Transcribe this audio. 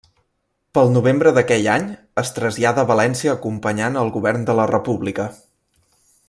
Pel novembre d'aquell any, es trasllada a València acompanyant el govern de la República.